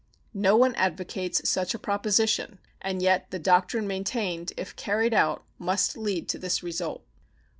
No one advocates such a proposition, and yet the doctrine maintained, if carried out, must lead to this result.